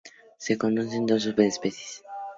Se conocen dos subespecies.